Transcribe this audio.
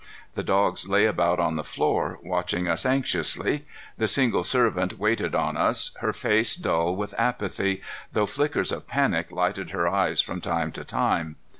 The dogs lay about on the floor, watching us anxiously. The single servant waited on us, her face dull with apathy, though flickers of panic lighted her eyes from time to time.